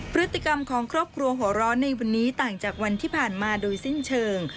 พฤติกรรมของครอบครัวหัวร้อนในวันนี้ต่างจากวันที่ผ่านมาโดยสิ้นเชิง